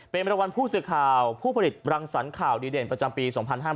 เป็นรางวัลผู้สื่อข่าวผู้ผลิตรังสรรค์ข่าวดีเด่นประจำปี๒๕๕๙